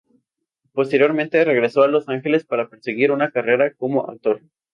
Posteriormente, regresó a Los Ángeles para perseguir una carrera como actor.